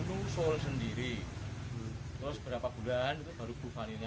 terus beberapa bulan itu baru bufaninya istrinya muncul warna kayak gini